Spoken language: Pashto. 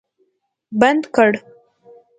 بند کړ